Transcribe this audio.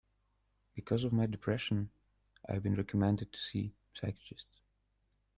Because of my depression, I have been recommended to see a psychiatrist.